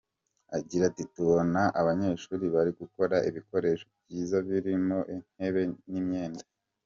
Agira ati “Turabona abanyeshuri bari gukora ibikoresho byiza birimo intebe n’imyenda.